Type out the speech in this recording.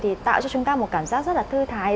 thì tạo cho chúng ta một cảm giác rất là thư thái